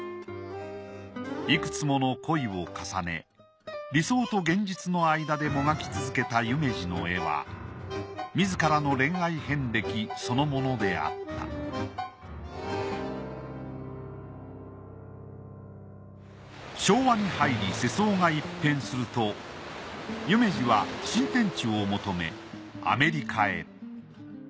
いくつもの恋を重ね理想と現実の間でもがき続けた夢二の絵は自らの恋愛遍歴そのものであった昭和に入り世相が一変すると夢二は新天地を求めアメリカへ。